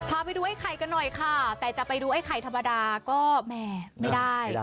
พาไปดูไอ้ไข่กันหน่อยค่ะแต่จะไปดูไอ้ไข่ธรรมดาก็แหมไม่ได้